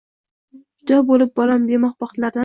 Judo bulib bolam demoq baxtlaridan